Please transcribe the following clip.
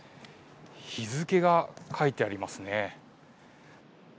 日付が書いてありますね。